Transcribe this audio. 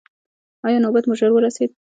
ایا نوبت مو ژر ورسید؟